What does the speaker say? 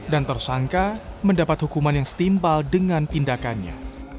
dan tersangka mendapat hukuman yang setimpal dengan tindakannya